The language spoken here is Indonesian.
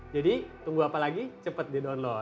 jadi tunggu apa lagi cepat didownload